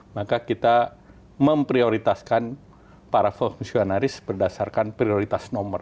maka kita memprioritaskan para fungsionaris berdasarkan prioritas nomor